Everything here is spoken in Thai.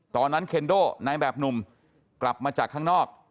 เคนโดนายแบบหนุ่มกลับมาจากข้างนอก